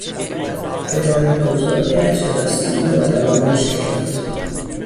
پدر بزرگش دودستی او را در آغوش گرفت.